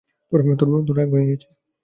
তোর রাগ ভেঙ্গে গেছে?